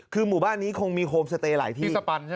คือหมู่บ้านนี้คงมีโฮมสเตย์หลายที่